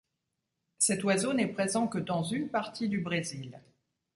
Cet oiseau n'est présent que dans une partie du Brésil.